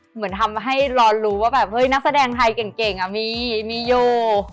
เหมือนทำให้รอรู้ว่าแบบเฮ้ยนักแสดงไทยเก่งมีมีอยู่